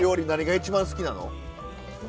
何が一番好きなの？